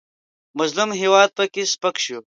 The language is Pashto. مظلوم هېواد پکې سپک شو.